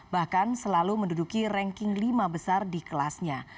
bahkan selalu menduduki ranking lima besar di kelasnya